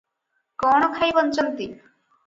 କଣ ଖାଇ ବଞ୍ଚନ୍ତି?